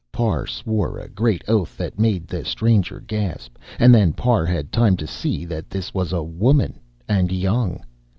Parr swore a great oath, that made the stranger gasp. And then Parr had time to see that this was a woman, and young.